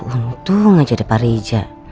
untung aja ada pak riza